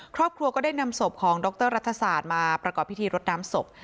ครอบครัวก็ได้นำศพของดรรัฐศาสตร์มาประกอบพิธีรดน้ำศพ